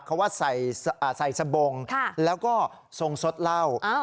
เขาว่าใส่อ่าใส่สบงค่ะแล้วก็ทรงสดเหล้าอ้าว